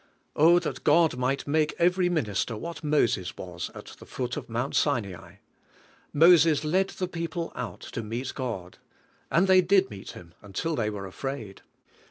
Oh, that God might make every minister what Moses was at the foot of Mount Sinai; "Moses led the people out to meet God,'' and they did meet Him until they were afraid.